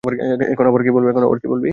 এখন আবার কী বলবি?